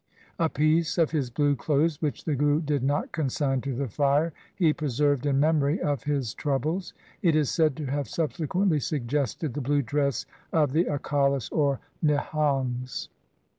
A piece of his blue clothes which the Guru did not consign to the fire he preserved in memory of his troubles. It is said to have subse quently suggested the blue dress of the Akalis or Nihangs.